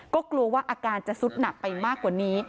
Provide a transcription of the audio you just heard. ก็กลัวว่าอาการจะสุดหนักไปมากกว่านี้